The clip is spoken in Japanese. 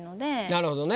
なるほどね。